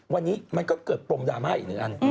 วันนี้มันก็เกิดปมดราม่าอีกหนึ่งอัน